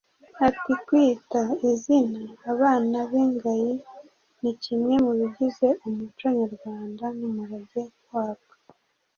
Ati “Kwita Izina abana b’Ingagi ni kimwe mu bigize umuco Nyarwanda n’umurage warwo